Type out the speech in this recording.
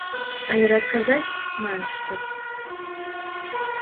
Але расказаць маюць што.